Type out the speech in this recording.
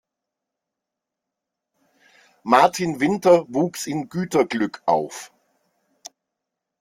Martin Winter wuchs in Güterglück auf.